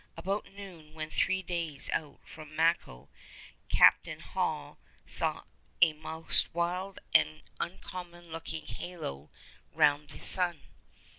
About noon, when three days out from Macao, Captain Hall saw 'a most wild and uncommon looking halo round the sun.